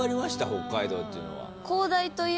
北海道っていうのは。